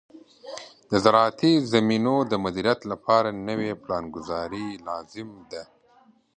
د زراعتي زمینو د مدیریت لپاره نوې پلانګذاري لازم ده.